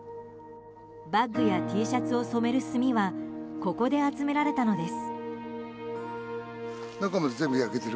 バッグやＴシャツなどを染める炭はここで集められたのです。